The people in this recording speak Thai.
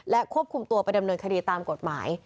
ควบคุมตัวไปดำเนินคดีตามกฎหมาย